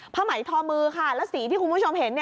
ผ้าไหมทอมือค่ะแล้วสีที่คุณผู้ชมเห็น